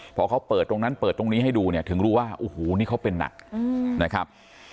พอเขาเปิดตรงนั้นเปิดตรงนี้ให้ดูเนี่ยถึงรู้ว่าโอ้โหนี่เขาเป็นหนักนะครับ